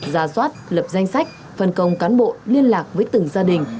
ra soát lập danh sách phân công cán bộ liên lạc với từng gia đình